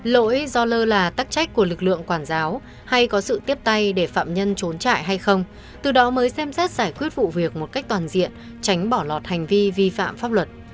lỗi do lơ là tắc trách của lực lượng quản giáo hay có sự tiếp tay để phạm nhân trốn trại hay không từ đó mới xem xét giải quyết vụ việc một cách toàn diện tránh bỏ lọt hành vi vi phạm pháp luật